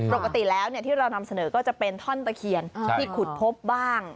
ปกติแล้วที่เรานำเสนอก็จะเป็นท่อนตะเคียนที่ขุดพบบ้าง